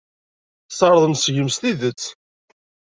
Sserḍen seg-m s tidet.